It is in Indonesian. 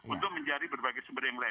untuk mencari berbagai sumber yang lain